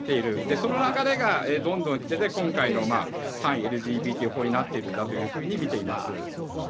その流れがどんどんいって今回の反ＬＧＢＴ法になっているんだというふうにみています。